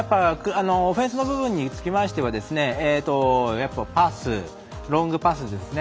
オフェンスの部分につきましてはやっぱりパス、ロングパスですね